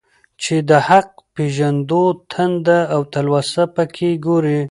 چي د حق پېژندو تنده او تلوسه په كي گورې.